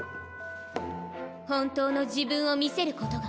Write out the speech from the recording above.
本当の自分を見せることが。